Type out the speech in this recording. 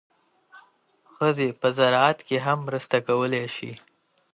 ښځې په زراعت کې هم مرسته کولی شي.